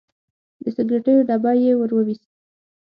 د سګریټو ډبی یې راوویست.